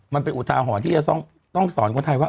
อุทาหรณ์ที่จะต้องสอนคนไทยว่า